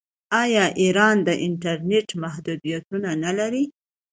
آیا ایران د انټرنیټ محدودیتونه نلري؟